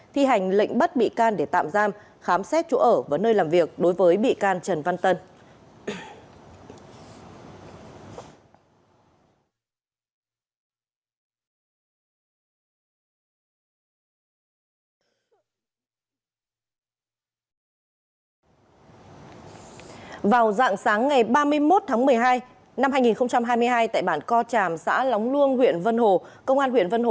thi hành lệnh bắt bị can để tạm giam khám xét chỗ ở và nơi làm việc đối với bị can trần văn tân